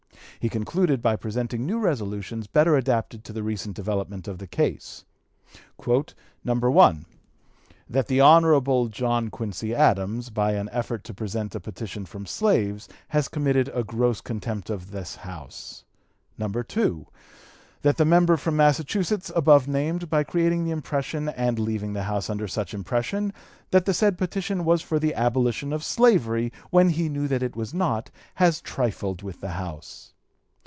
He concluded by presenting new resolutions better adapted to the recent development of the case: "1. That the Hon. John Quincy Adams, by an effort to present a petition from slaves, has committed a gross contempt of this House. "2. That the member from Massachusetts above named, by creating the impression and leaving the House under such impression, that the said petition was for the abolition of slavery, when he knew that it was not, has trifled with the House.